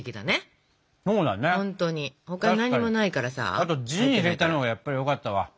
あとジン入れたのがやっぱりよかったわ。